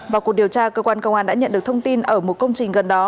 vào cuộc điều tra cơ quan công an đã nhận được thông tin ở một công trình gần đó